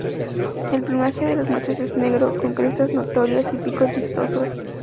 El plumaje de los machos es negro, con crestas notorias y picos vistosos.